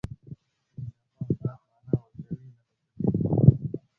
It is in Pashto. چي د اضافه او زيات مانا ور کوي، لکه په دې جملو کي: